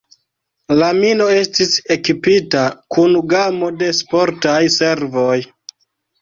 La mino estis ekipita kun gamo de sportaj servoj.